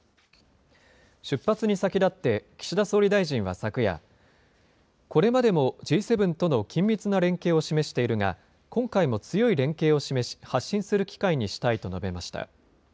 出発に先立って、岸田総理大臣は昨夜、これまでもＧ７との緊密な連携を示しているが、今回も強い連携を示し、発信する機会にしたいと述べました。